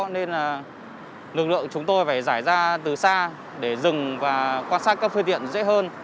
nên lực lượng chúng tôi phải giải ra từ xa để dừng và quan sát các phương tiện dễ hơn